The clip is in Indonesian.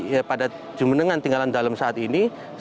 ya pada jum'at dengan tinggalan dalem saat ini